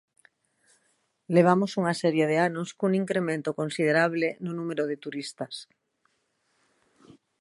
Levamos unha serie de anos cun incremento considerable no número de turistas.